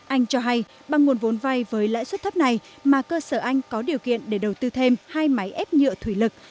anh cho hay bằng nguồn vốn vai với lãi suất thấp này mà cơ sở anh có điều kiện để đầu tư thêm hai máy ép nhựa thủy lực